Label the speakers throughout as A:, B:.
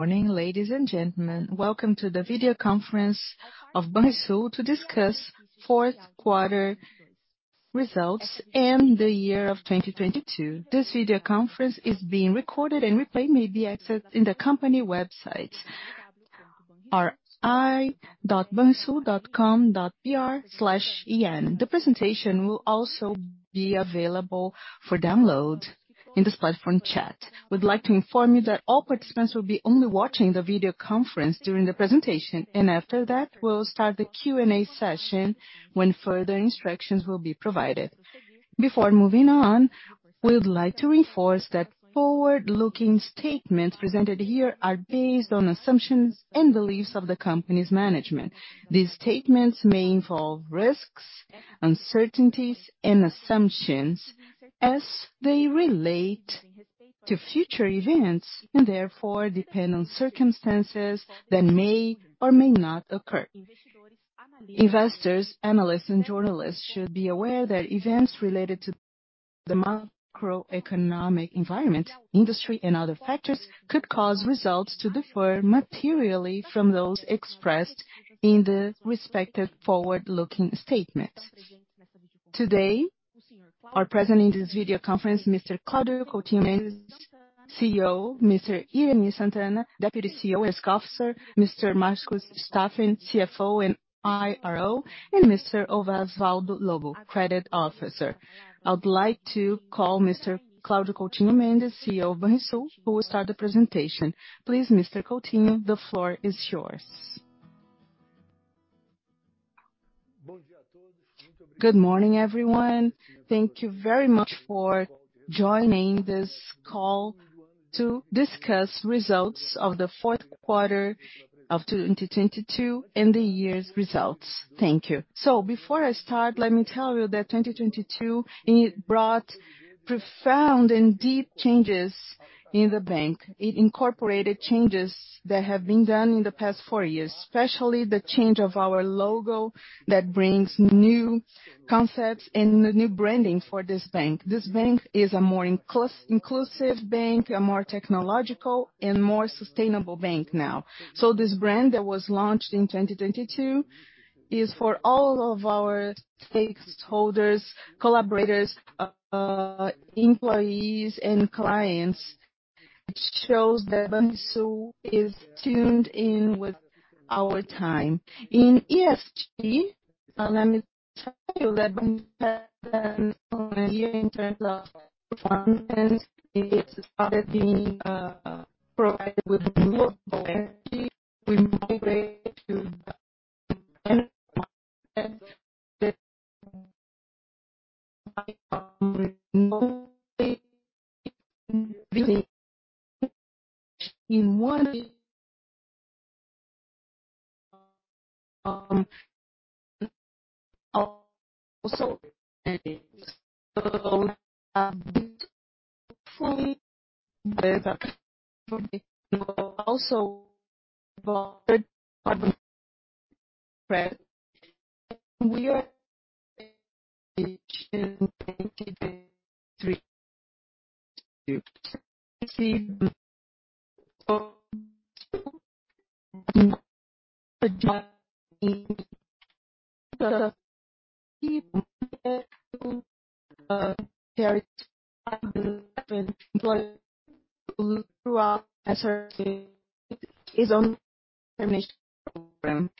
A: Morning, ladies and gentlemen. Welcome to the video conference of Banrisul to discuss fourth quarter results and the year of 2022. This video conference is being recorded and replay may be accessed in the company website, ri.banrisul.com.br/en. The presentation will also be available for download in this platform chat. We'd like to inform you that all participants will be only watching the video conference during the presentation. After that, we'll start the Q&A session when further instructions will be provided. Before moving on, we would like to reinforce that forward-looking statements presented here are based on assumptions and beliefs of the company's management. These statements may involve risks, uncertainties and assumptions as they relate to future events and therefore depend on circumstances that may or may not occur. Investors, analysts and journalists should be aware that events related to the macroeconomic environment, industry and other factors could cause results to differ materially from those expressed in the respected forward-looking statements. Today, are present in this video conference Mr. Cláudio Coutinho Mendes, CEO, Mr. Irany Sant'Anna Júnior, Deputy CEO, Risk Officer, Mr. Marcus Vinícius Feijó Staffen, CFO and IRO, and Mr. Osvaldo Lobo Pires, Credit Officer. I would like to call Mr. Cláudio Coutinho Mendes, CEO of Banrisul, who will start the presentation. Please, Mr. Coutinho, the floor is yours.
B: Good morning, everyone. Thank you very much for joining this call to discuss results of the fourth quarter of 2022 and the year's results. Thank you. Before I start, let me tell you that 2022, it brought profound and deep changes in the bank. It incorporated changes that have been done in the past four years, especially the change of our logo that brings new concepts and new branding for this bank. This bank is a more inclusive bank, a more technological and more sustainable bank now. This brand that was launched in 2022 is for all of our stakeholders, collaborators, employees and clients. It shows that Banrisul is tuned in with our time. In ESG, now let me tell you that Banrisul had an amazing year in terms of performance in ESG. Starting, provided with renewable energy. We migrate to better performance that... In one... Also... This hopefully will also... We are... In 2023. Charit- throughout SRD is on permission program.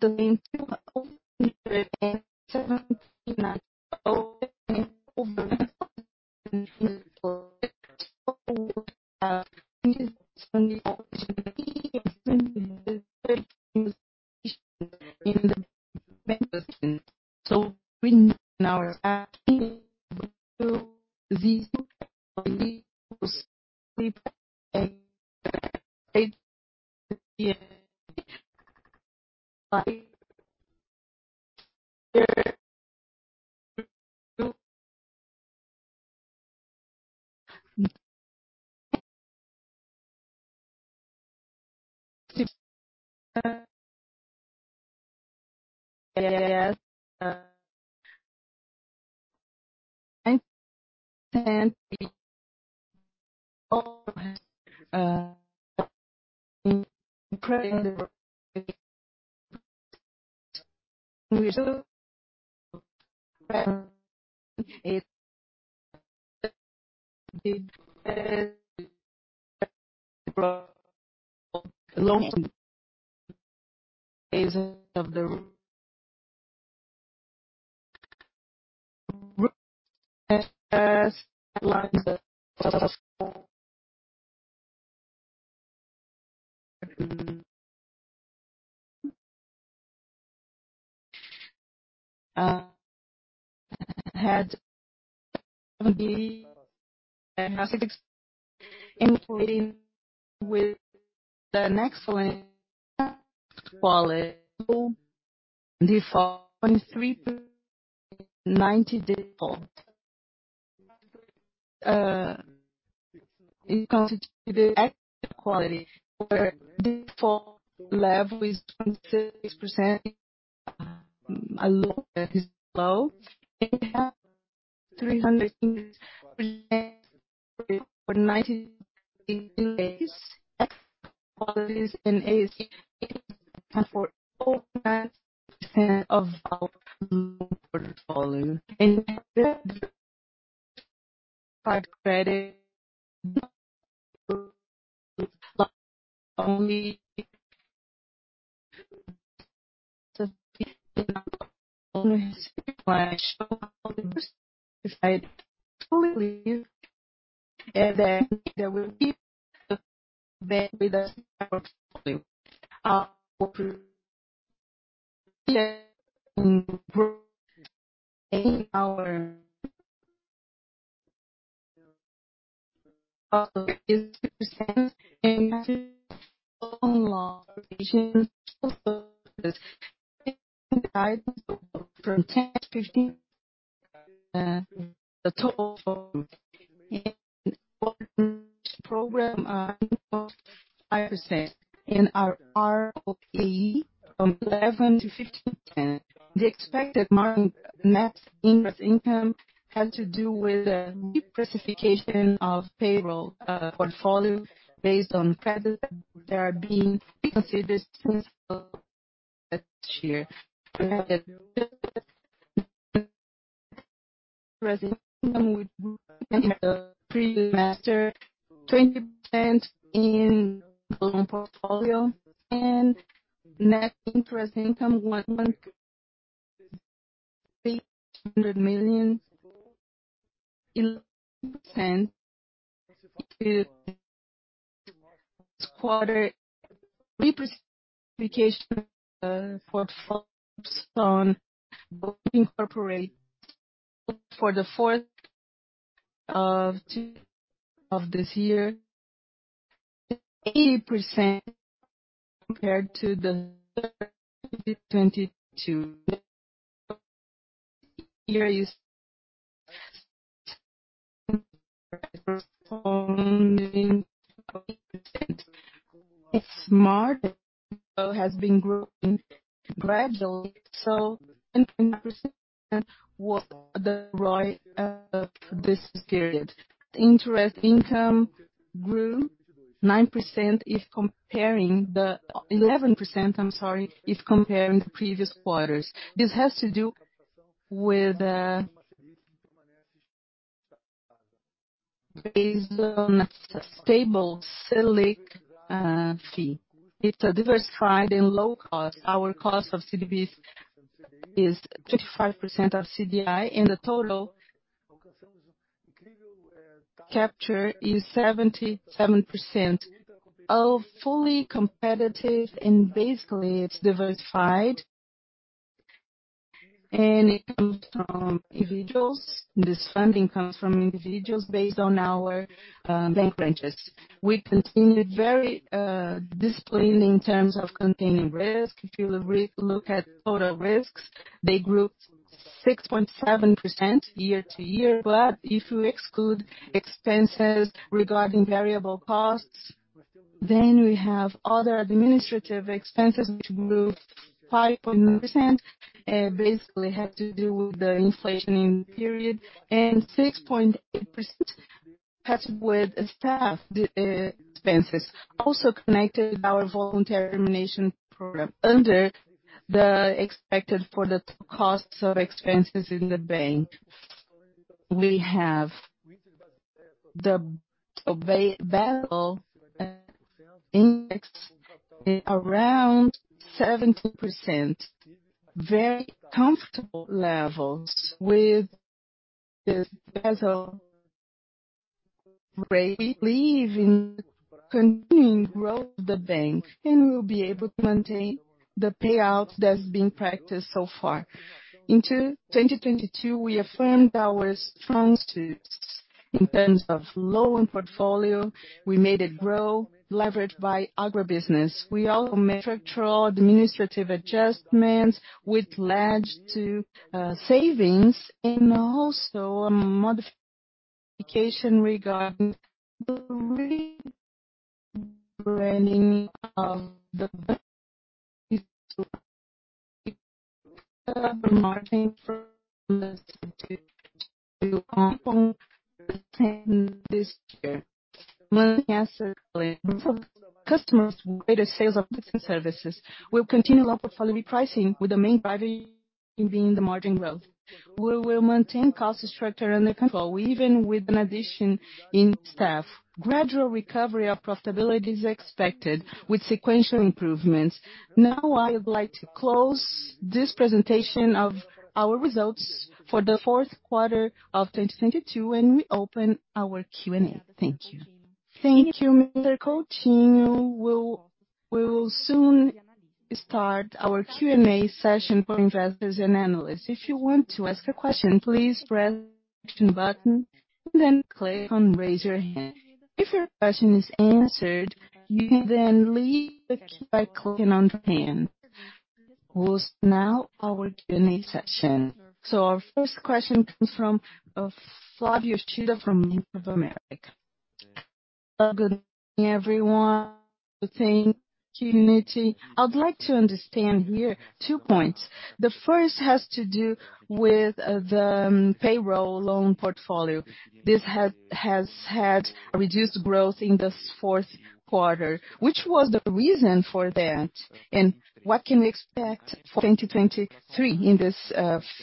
B: During 2017 and 2017... We now are adding to the new sleep aid. I... Including with an excellent quality default on 3.9% default. In consideration the quality where default level is 26%. Low is low. They have 390 days qualities in AC 4% of our portfolio. Hard credit only. If I totally leave, then there will be bank with us. Our improvement in our program are % and our ROE from 11-15. The expected margin net interest income has to do with the reclassification of payroll portfolio based on credit. They are being considered since last year. Net interest income would pre-master 20% in loan portfolio, and net interest income BRL 100 million. Quarter representation for folks on both incorporate for Q4 2022, 80% compared to Q3 2022. Year is performing %. Its margin has been growing gradually. What the ROI of this period? Interest income grew 9% if comparing the 11%, I'm sorry, if comparing the previous quarters. This has to do with based on a stable Selic fee. It's a diversified and low cost. Our cost of CDBs is 35% of CDI, and the total capture is 77% of fully competitive and basically it's diversified. It comes from individuals. This funding comes from individuals based on our bank branches. We continued very disciplined in terms of containing risk. If you re-look at total risks, they grew 6.7% year-to-year. If you exclude expenses regarding variable costs, we have other administrative expenses, which grew 5.9%. Basically have to do with the inflation in the period. 6.8% has with staff expenses. Also connected our voluntary termination program under the expected for the total costs of expenses in Banrisul. We have the available index around 70%, very comfortable levels with this Selic rate. Believe in continuing growth of Banrisul and we'll be able to maintain the payouts that's being practiced so far. Into 2022, we affirmed our strengths in terms of loan portfolio. We made it grow, leveraged by agribusiness. We also made structural administrative adjustments which led to savings and also a modification regarding the rebranding of Banrisul. Marketing from this year. Money answer customers greater sales of goods and services. We'll continue our portfolio repricing, with the main driver being the margin growth. We will maintain cost structure under control, even with an addition in staff. Gradual recovery of profitability is expected with sequential improvements. I would like to close this presentation of our results for the fourth quarter of 2022. We open our Q&A. Thank you.
A: Thank you, Mr. Coutinho. We will soon start our Q&A session for investors and analysts. If you want to ask a question, please press the question button, and then click on Raise Your Hand. If your question is answered, you can then leave the queue by clicking on Hand. Host now our Q&A session. Our first question comes from Flavio Yoshida from Bank of America.
C: Good morning, everyone. Thank you, for the opportunity. I'd like to understand here two points. The first has to do with the payroll loan portfolio. This has had a reduced growth in this fourth quarter. Which was the reason for that, what can we expect for 2023 in this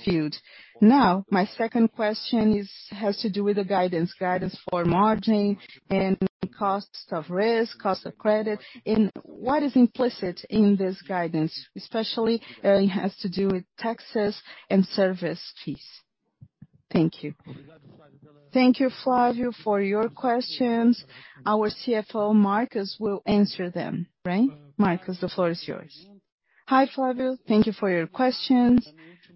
C: field? My second question has to do with the guidance for margin and costs of risk, cost of credit. What is implicit in this guidance, especially, it has to do with taxes and service fees. Thank you.
B: Thank you, Flavio, for your questions. Our CFO, Marcus, will answer them. Right? Marcus, the floor is yours.
D: Hi, Flavio. Thank you for your questions.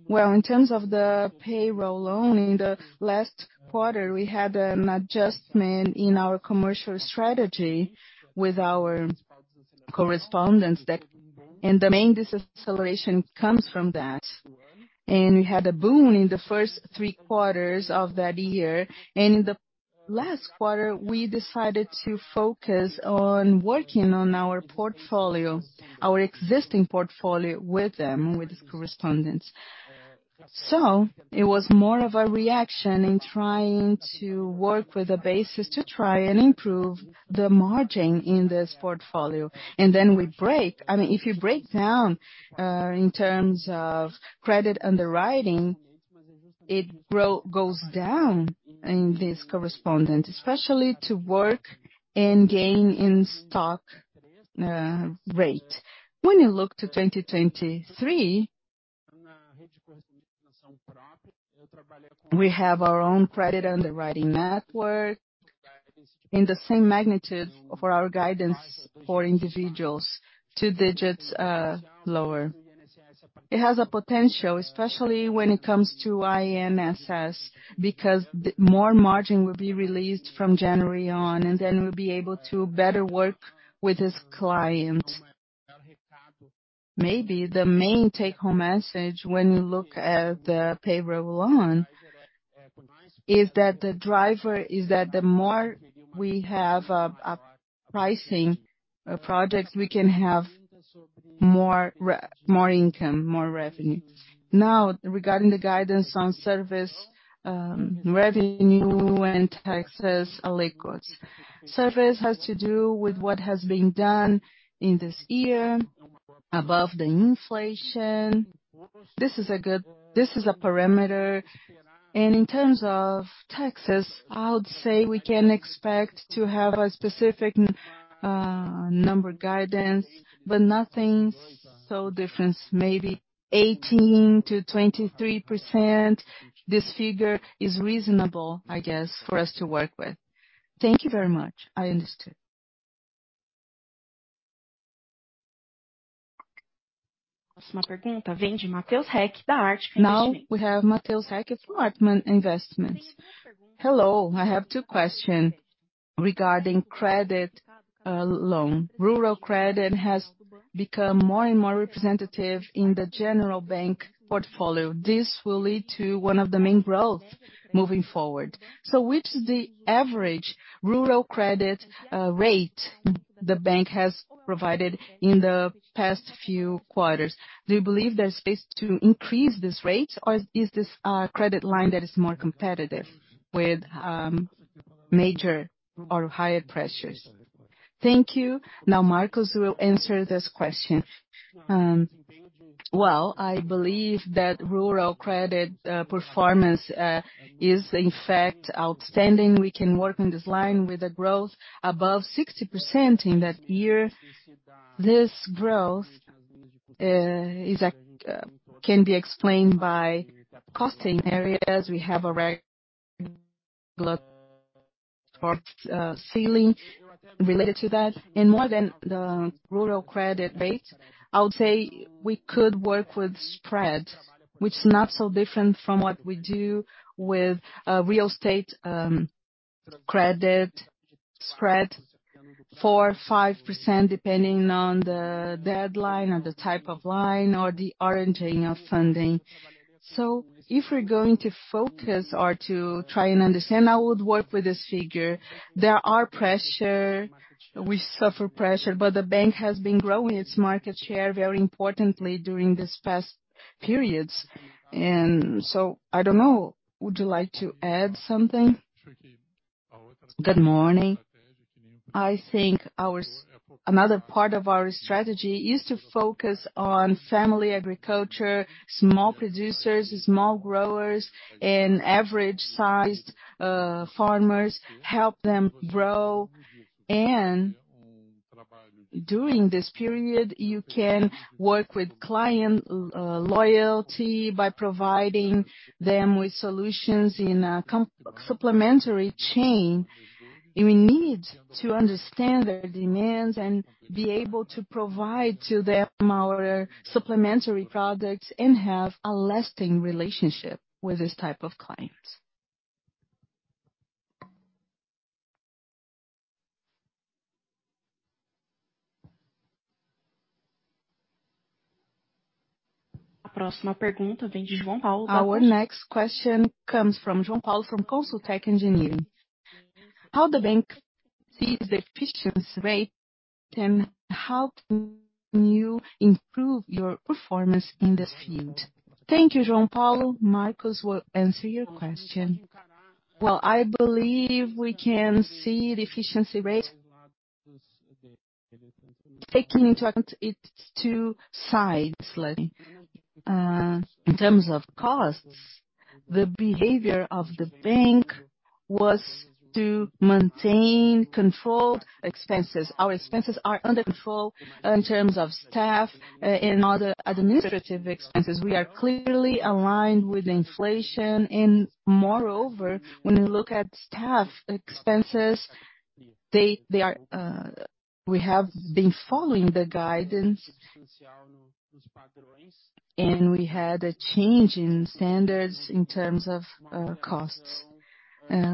D: Well, in terms of the payroll loan, in the last quarter, we had an adjustment in our commercial strategy with our correspondents that... The main deceleration comes from that. We had a boom in the first three quarters of that year. In the last quarter, we decided to focus on working on our portfolio, our existing portfolio with them, with correspondents. It was more of a reaction in trying to work with a basis to try and improve the margin in this portfolio. I mean, if you break down in terms of credit underwriting, it goes down in this correspondent, especially to work and gain in stock rate. When you look to 2023, we have our own credit underwriting network in the same magnitude for our guidance for individuals, two digits lower. It has a potential, especially when it comes to INSS, because more margin will be released from January on, and then we'll be able to better work with this client. Maybe the main take-home message when you look at the payroll loan, is that the driver is that the more we have pricing projects, we can have more income, more revenue. Regarding the guidance on service, revenue and taxes are liquids. Service has to do with what has been done in this year above the inflation. This is a parameter. In terms of taxes, I would say we can expect to have a specific number guidance, but nothing so different, maybe 18%-23%. This figure is reasonable, I guess, for us to work with.
C: Thank you very much. I understood.
A: We have [Matheus Heck from Arbman] Investments.
E: Hello. I have two question regarding credit, loan. Rural credit has become more and more representative in the general bank portfolio. This will lead to one of the main growth moving forward. Which is the average rural credit rate the bank has provided in the past few quarters? Do you believe there's space to increase this rate, or is this credit line that is more competitive with major or higher pressures?
B: Thank you. Marcus will answer this question.
D: Well, I believe that rural credit performance is in fact outstanding. We can work on this line with a growth above 60% in that year. This growth can be explained by costing areas. We have a for ceiling related to that. More than the rural credit rate, I would say we could work with spread, which is not so different from what we do with real estate credit spread, 4%, 5%, depending on the deadline or the type of line or the orienting of funding. If we're going to focus or to try and understand, I would work with this figure. There are pressure, we suffer pressure, the bank has been growing its market share very importantly during this past periods. I don't know, would you like to add something?
B: Good morning. I think our another part of our strategy is to focus on family agriculture, small producers, small growers and average-sized farmers, help them grow. During this period, you can work with client loyalty by providing them with solutions in a supplementary chain. You need to understand their demands and be able to provide to them our supplementary products and have a lasting relationship with this type of clients.
A: Our next question comes from John Paul from Consultec Engineering.
F: How the bank sees the efficiency rate and how can you improve your performance in this field?
B: Thank you, John Paul. Marcus will answer your question.
D: Well, I believe we can see the efficiency rate. Taking into account it's two sides, like, in terms of costs, the behavior of the bank was to maintain controlled expenses. Our expenses are under control in terms of staff, and other administrative expenses. We are clearly aligned with inflation and moreover, when you look at staff expenses, they are. We have been following the guidance and we had a change in standards in terms of costs.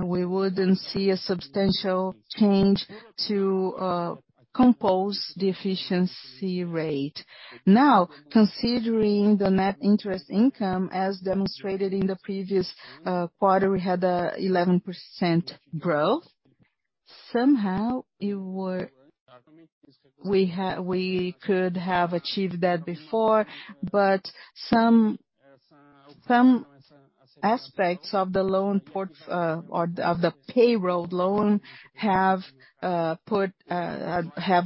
D: We wouldn't see a substantial change to compose the efficiency rate. Now, considering the net interest income as demonstrated in the previous quarter, we had 11% growth. Somehow We could have achieved that before, but some aspects of the loan or of the payroll loan have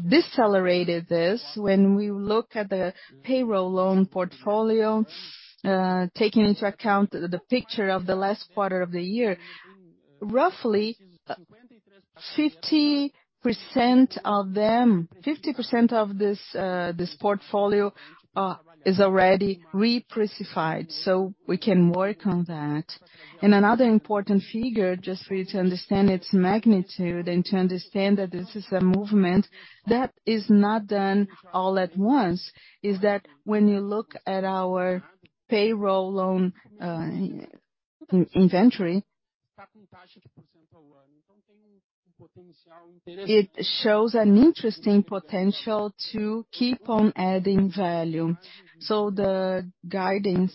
D: decelerated this. When we look at the payroll loan portfolio, taking into account the picture of the last quarter of the year, roughly 50% of them, 50% of this portfolio, is already repriced, so we can work on that. Another important figure, just for you to understand its magnitude and to understand that this is a movement that is not done all at once, is that when you look at our payroll loan, in-inventory, it shows an interesting potential to keep on adding value. The guidance,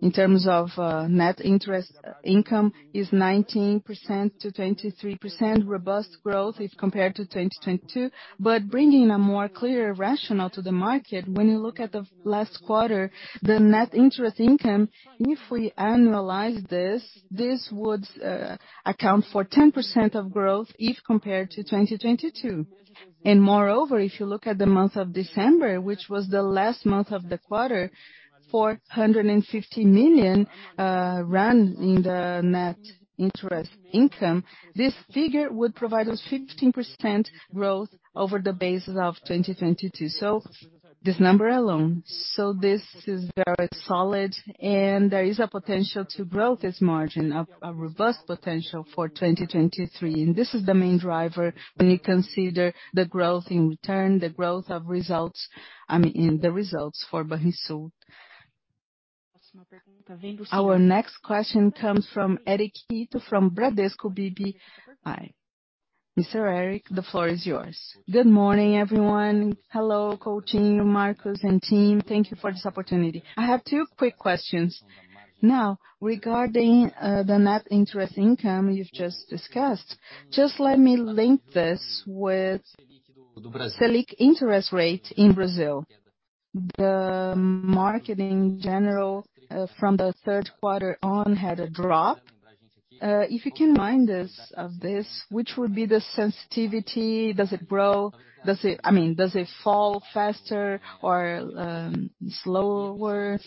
D: in terms of net interest income is 19%-23% robust growth if compared to 2022. Bringing a more clear rationale to the market, when you look at the last quarter, the net interest income, if we annualize this would account for 10% of growth if compared to 2022. Moreover, if you look at the month of December, which was the last month of the quarter, 450 million ran in the net interest income. This figure would provide us 15% growth over the basis of 2022. This number alone. This is very solid, and there is a potential to grow this margin of a robust potential for 2023. This is the main driver when you consider the growth in return, the growth of results, I mean, the results for Banrisul.
A: Our next question comes from Eric Ito from Bradesco BBI. Mr. Eric, the floor is yours.
G: Good morning, everyone. Hello, Coutinho, Marcus, and team. Thank you for this opportunity. I have two quick questions. Regarding the net interest income you've just discussed, just let me link this with Selic interest rate in Brazil. The marketing general, from the third quarter on had a drop. If you can remind us of this, which would be the sensitivity? Does it grow? I mean, does it fall faster or slower?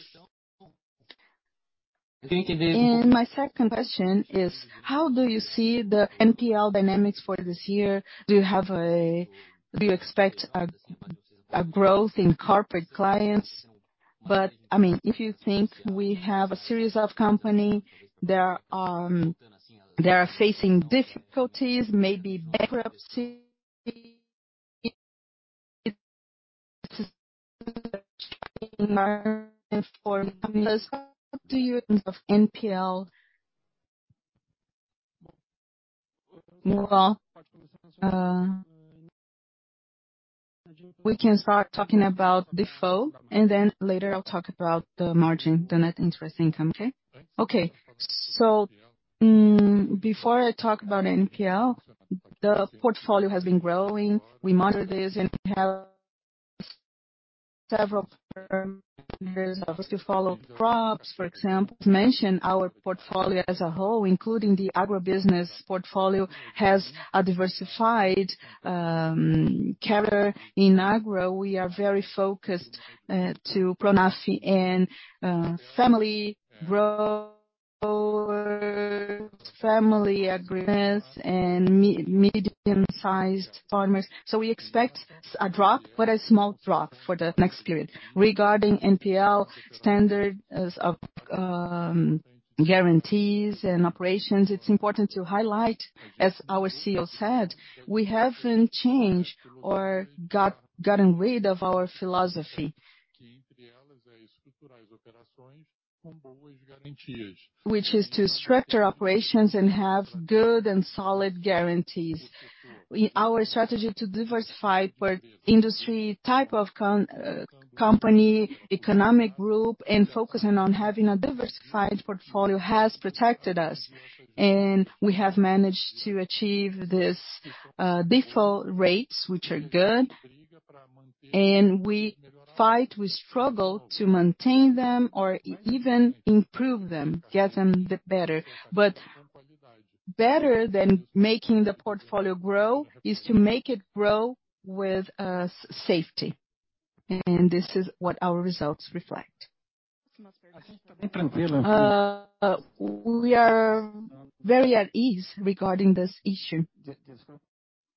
G: My second question is: How do you see the NPL dynamics for this year? Do you expect a growth in corporate clients? I mean, if you think we have a series of company, they are facing difficulties, maybe bankruptcy. How do you of NPL? Well, we can start talking about default, later I'll talk about the margin, the net interest income, okay?
D: Okay. Before I talk about NPL, the portfolio has been growing. We monitor this and have several parameters. Obviously, we follow crops, for example. To mention our portfolio as a whole, including the agribusiness portfolio, has a diversified carrier in agro. We are very focused to Pronaf and family growers, family agribusiness, and medium-sized farmers. We expect a drop, but a small drop for the next period. Regarding NPL standards of guarantees and operations, it's important to highlight, as our CEO said, we haven't changed or gotten rid of our philosophy. Which is to structure operations and have good and solid guarantees. Our strategy to diversify per industry type of company, economic group, and focusing on having a diversified portfolio has protected us, and we have managed to achieve this default rates, which are good. We fight, we struggle to maintain them or even improve them, get them a bit better. Better than making the portfolio grow is to make it grow with safety. This is what our results reflect. We are very at ease regarding this issue.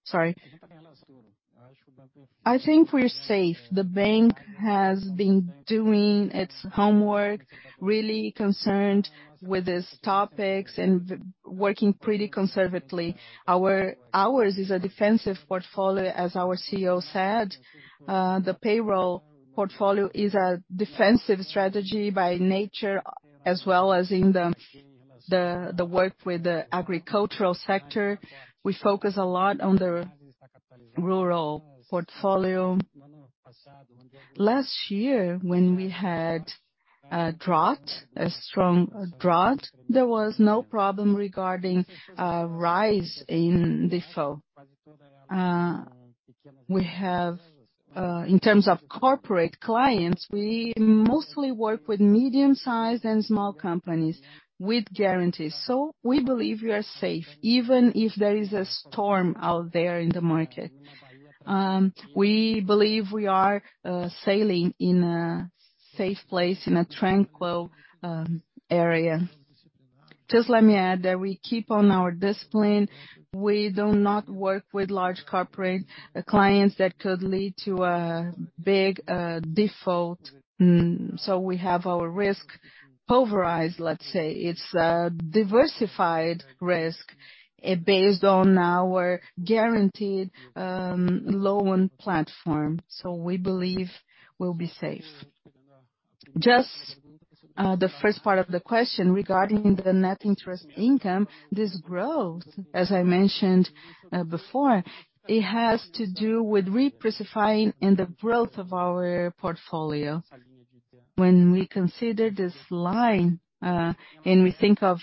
D: Sorry. I think we're safe. The bank has been doing its homework, really concerned with these topics and working pretty conservatively. Ours is a defensive portfolio, as our CEO said. The payroll portfolio is a defensive strategy by nature, as well as in the work with the agricultural sector. We focus a lot on the rural portfolio. Last year, when we had a drought, a strong drought, there was no problem regarding a rise in default. We have in terms of corporate clients, we mostly work with medium-sized and small companies with guarantees. We believe we are safe, even if there is a storm out there in the market. We believe we are sailing in a safe place, in a tranquil area. Just let me add that we keep on our discipline. We do not work with large corporate clients that could lead to a big default. We have our risk pulverized, let's say. It's a diversified risk, based on our guaranteed loan platform, so we believe we'll be safe. Just the first part of the question regarding the net interest income, this growth, as I mentioned before, it has to do with repricing and the growth of our portfolio. When we consider this line, and we think of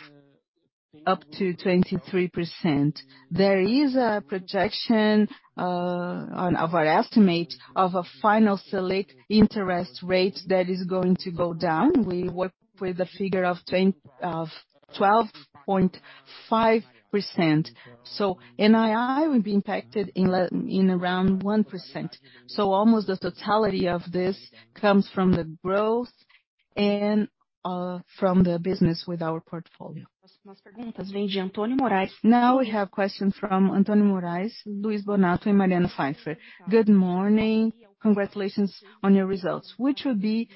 D: up to 23%, there is a projection of our estimate of a final Selic interest rate that is going to go down. We work with a figure of 12.5%. NII will be impacted in around 1%. Almost the totality of this comes from the growth and from the business with our portfolio.
A: We have questions from Antônio Morais, Luis Bonato, and Mariana Feinberg.
H: Good morning. Congratulations on your results. Which would be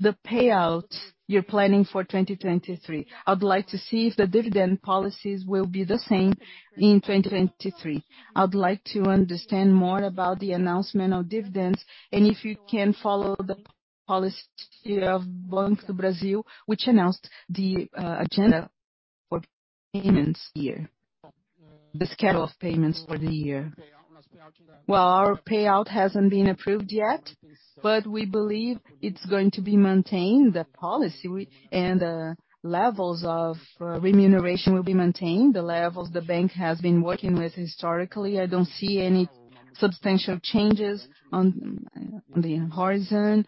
H: the payout you're planning for 2023? I would like to see if the dividend policies will be the same in 2023. I would like to understand more about the announcement of dividends and if you can follow the policy of Banco do Brasil, which announced the agenda for payments, the schedule of payments for the year.
D: Our payout hasn't been approved yet, but we believe it's going to be maintained, the policy we. Levels of remuneration will be maintained, the levels the bank has been working with historically. I don't see any substantial changes on the horizon.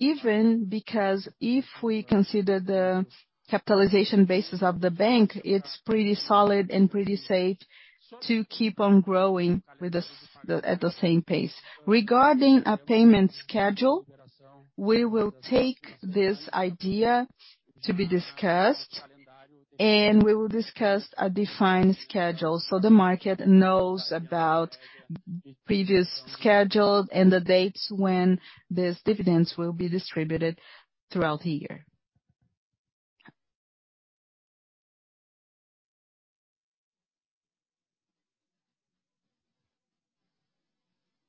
D: Even because if we consider the capitalization basis of the bank, it's pretty solid and pretty safe to keep on growing with at the same pace. Regarding a payment schedule, we will take this idea to be discussed, and we will discuss a defined schedule so the market knows about previous schedule and the dates when these dividends will be distributed throughout the year.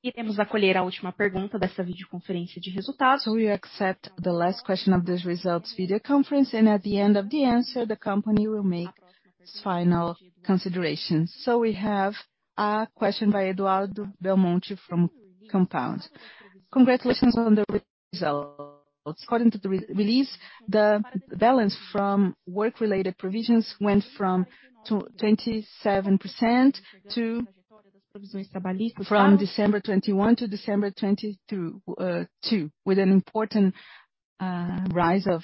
A: We accept the last question of this results video conference, and at the end of the answer, the company will make its final considerations. We have a question by Eduardo Beaumont from Compound.
I: Congratulations on the results. According to the re-release, the balance from work-related provisions went from 27% to, from December 2021 to December 2022, with an important rise of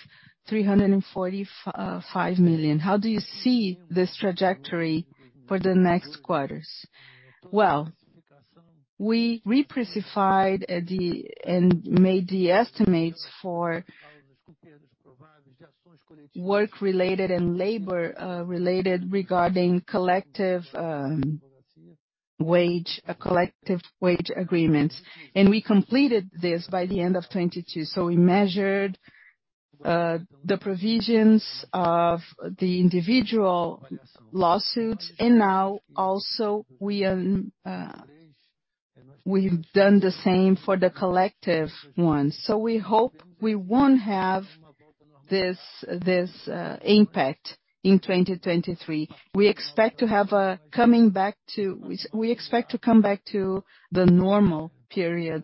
I: 345 million. How do you see this trajectory for the next quarters?
D: We repriced and made the estimates for work-related and labor related regarding collective wage, a collective wage agreement. We completed this by the end of 2022. We measured the provisions of the individual lawsuits, and now also we've done the same for the collective ones. We hope we won't have this impact in 2023. We expect to come back to the normal period.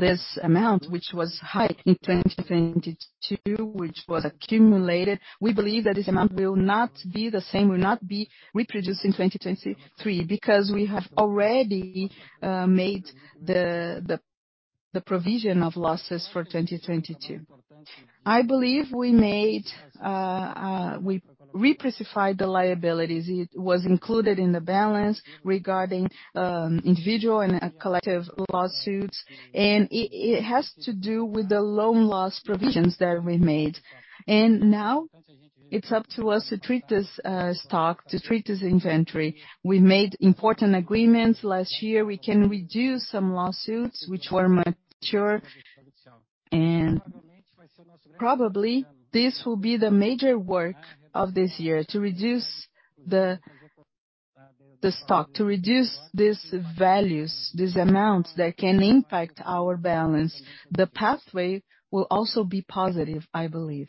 D: This amount, which was high in 2022, which was accumulated, we believe that this amount will not be the same, will not be reproduced in 2023, because we have already made the provision of losses for 2022. I believe we made. We repriced the liabilities. It was included in the balance regarding individual and collective lawsuits, and it has to do with the loan loss provisions that we made. Now it's up to us to treat this stock, to treat this inventory. We made important agreements last year. We can reduce some lawsuits which were mature. Probably this will be the major work of this year, to reduce the stock, to reduce these values, these amounts that can impact our balance. The pathway will also be positive, I believe.